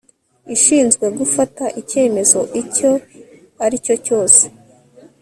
ishinzwe gufata icyemezo icyo ari cyo cyose